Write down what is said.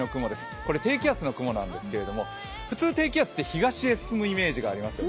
これ低気圧の雲なんですけれども普通、低気圧って東へ進むイメージがありますよね。